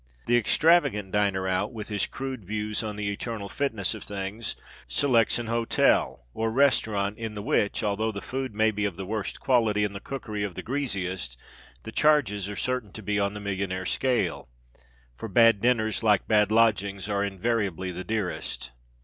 The extravagant diner out, with his crude views on the eternal fitness of things, selects an hotel, or restaurant, in the which, although the food may be of the worst quality, and the cookery of the greasiest, the charges are certain to be on the millionaire scale. For bad dinners, like bad lodgings, are invariably the dearest.